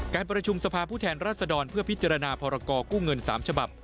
การประชุมสภาพผู้แทนรัศดรเพื่อพิจารณาพรกรกู้เงิน๓ฉบับ